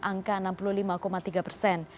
angka enam puluh lima tiga persen